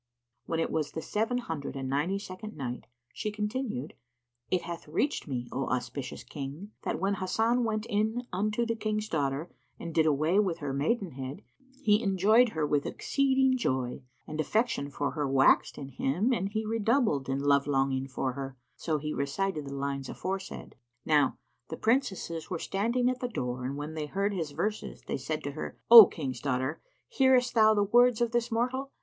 When it was the Seven Hundred and Ninety second Night, She continued, It hath reached me, O auspicious King, that when Hasan went in unto the King's daughter and did away her maidenhead, he enjoyed her with exceeding joy and affection for her waxed in him and he redoubled in love longing for her; so he recited the lines aforesaid. Now the Princesses were standing at the door and when they heard his verses, they said to her, "O King's daughter, hearest thou the words of this mortal?